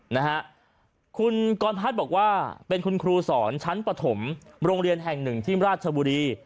นะฮะคุณกรพัฒน์บอกว่าเป็นคุณครูสอนชั้นปฐมโรงเรียนแห่งหนึ่งที่ราชบุรี